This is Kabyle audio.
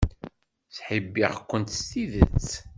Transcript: Ttḥibbiɣ-kent s tidet.